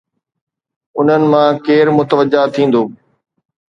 انهن مان ڪير متوجه ٿيندو؟